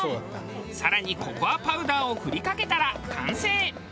更にココアパウダーを振りかけたら完成。